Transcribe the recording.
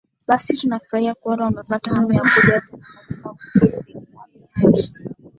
basi tunafurahi kuona umepata hamu ya kuja tena alisema afisa uhamiaji